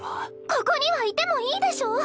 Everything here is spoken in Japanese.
ここにはいてもいいでしょ！